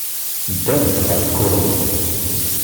Ddant ɣer tkurmut.